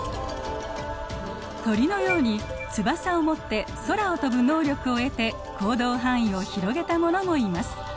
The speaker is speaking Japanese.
鳥のように翼を持って空を飛ぶ能力を得て行動範囲を広げたものもいます。